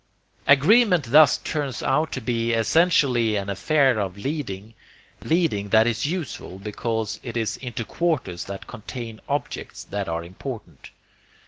Agreement thus turns out to be essentially an affair of leading leading that is useful because it is into quarters that contain objects that are important.